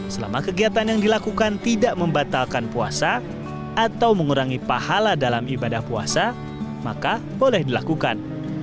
selama kegiatan yang dilakukan tidak membatalkan puasa atau mengurangi pahala dalam ibadah puasa maka boleh dilakukan